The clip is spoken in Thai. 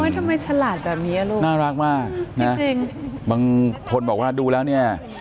ทำไมฉลาดแบบนี้ลูกน่ารักมากนะจริงบางคนบอกว่าดูแล้วเนี่ย